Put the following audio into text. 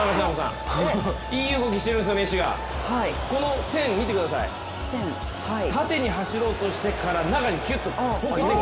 いい動きしてるんですよ、メッシがこの線見てください、縦に走ろうとしてから中にぎゅっと。